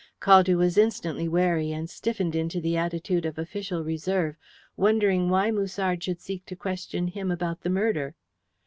Caldew was instantly wary, and stiffened into an attitude of official reserve, wondering why Musard should seek to question him about the murder.